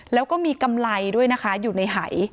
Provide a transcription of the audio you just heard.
แล้วก็มีกำไรด้วยนะคะอยู่ในหาย